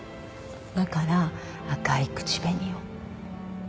だから赤い口紅を。